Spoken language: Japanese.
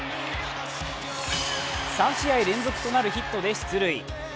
３試合連続となるヒットで出塁。